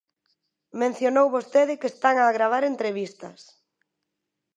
Mencionou vostede que están a gravar entrevistas.